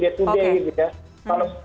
kalau sekarang televisi ada orang